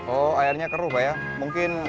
oh airnya keruh pak ya mungkin